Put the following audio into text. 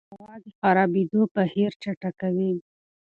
هوا د خرابېدو بهیر چټکوي.